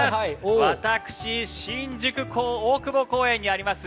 私、新宿・大久保公園にあります